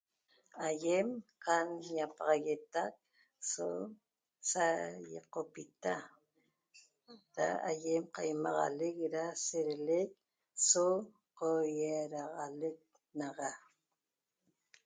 Aýem can ñaq ñapaxagueetac so sa ñiqopita da aýem qaýamaxalec da sedelec so qoiedaxaalec naxa